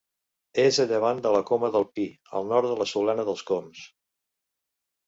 És a llevant de la Coma del Pi, al nord de la Solana dels Cóms.